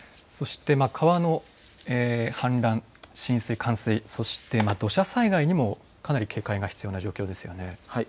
川の氾濫、浸水、冠水、そして土砂災害にもかなり警戒が必要な状況ですよね。